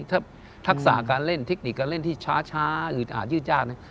ถ้าทักษาการเล่นทิกนิกการเล่นที่ช้าอืดอ่ายืดยาก